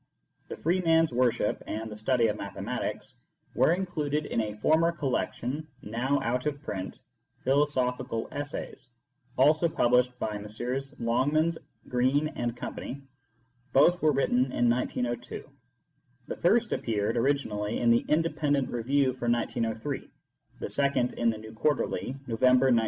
The Free Man s Worship " and " The Study of Mathematics " were included in a former collection (now out of print), Philosophical Essays, also published by Messrs. Longmans, Green & Co. Both were written in 1902 ; the first appeared originally in the Independent Review for 1903, the second in the New Quarterly, November, 1907.